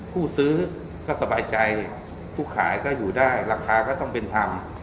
ผู้ซื้อก็สบายใจผู้ขายก็อยู่ได้ราคาก็ต้องเป็นธรรม